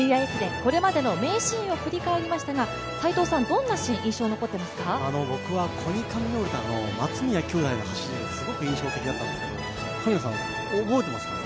これまでの名シーン振り返りましたが僕はコニカミノルタの松宮兄弟の走りがすごく印象的だったんですけど、神野さん、覚えてますか？